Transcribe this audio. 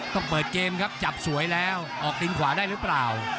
ต้องเปิดเกมครับจับสวยแล้วออกตีนขวาได้หรือเปล่า